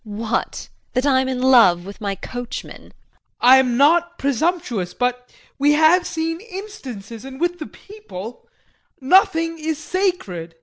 What? That I'm in love with my coachman? JEAN. I am not presumptuous, but we have seen instances and with the people nothing is sacred.